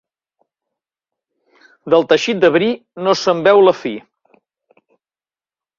Del teixit de bri, no se'n veu la fi.